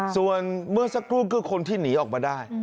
ส่วนเมื่อสักครู่คือคนที่หนีออกมาได้